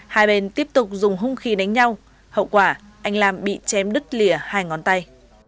hai bên tiếp tục dùng hung khí đánh nhau hậu quả anh lam bị chém đứt lìa hai ngón tay